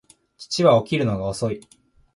父は起きるのが遅い